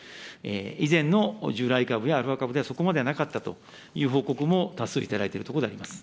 以前の従来株やアルファ株では、なかったという報告も多数頂いているところであります。